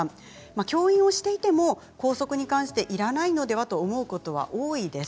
教員をしていても校則に関していらないのではと思うことは多いです。